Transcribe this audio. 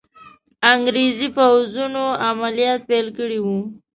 انګریزي پوځونو عملیات پیل کړي وو.